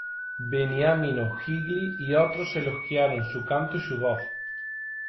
Beniamino Gigli y otros elogiaron su canto y su voz.